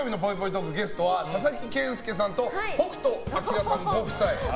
トークゲストは佐々木健介さんと北斗晶さんご夫妻。